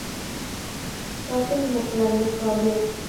sao thích nhập là nhập vào được